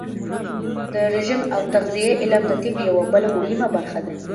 د رژیم او تغذیې علم د طب یوه بله مهمه برخه ده.